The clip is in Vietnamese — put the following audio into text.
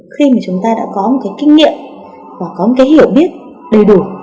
khi mà chúng ta đã có một cái kinh nghiệm và có một cái hiểu biết đầy đủ